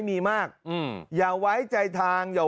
มีพฤติกรรมเสพเมถุนกัน